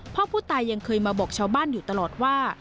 พ่อผู้ตายยังเคยมาบอกชาวบ้านอยู่ตลอดว่า